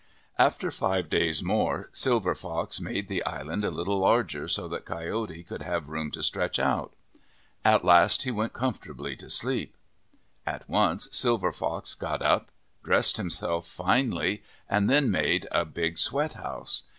After five days more, Silver Fox made the island a little larger so that Coyote could have room to stretch out. At last he went comfortably asleep. At once Silver Fox got up, dressed himself finely, and then made a big sweat house.